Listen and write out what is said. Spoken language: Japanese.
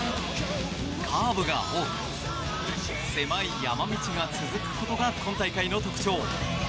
カーブが多く狭い山道が続くことが今大会の特徴。